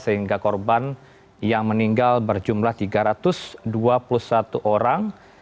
sehingga korban yang meninggal berjumlah tiga ratus dua puluh satu orang